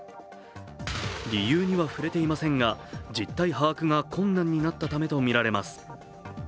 理由には触れていませんが、実態把握が困難になったためとみられます。